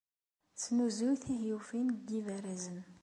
Tesnuzuy tihyufin deg yibarazen.